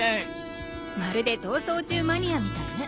まるで逃走中マニアみたいね。